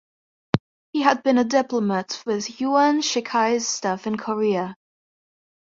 He had been a diplomat with Yuan Shikai's staff in Korea.